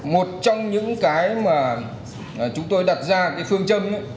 một trong những cái mà chúng tôi đặt ra cái phương châm